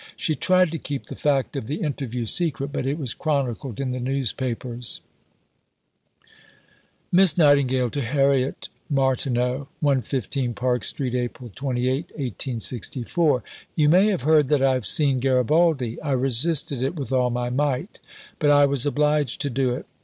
She tried to keep the fact of the interview secret, but it was chronicled in the newspapers: (Miss Nightingale to Harriet Martineau.) 115 PARK ST., April 28 . You may have heard that I have seen Garibaldi. I resisted it with all my might, but I was obliged to do it.